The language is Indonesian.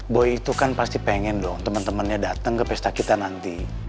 boy itu kan pasti pengen dong temen temennya dateng ke pesta kita nanti